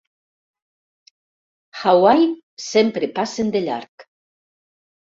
Hawaii sempre passen de llarg.